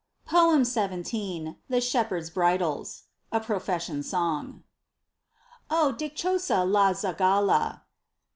Poem 17, THE SHEPHERD'S BRIDALS. A PROFESSION SONG. ¡ Oh ! dichosa la zagala